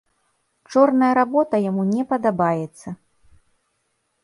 Чорная работа яму не падабаецца.